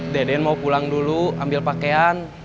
deden mau pulang dulu ambil pakaian